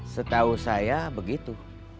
setahu saya begitu